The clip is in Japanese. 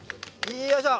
よいしょ！